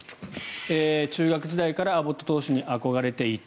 中学時代からアボット投手に憧れていた。